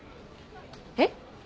えっ？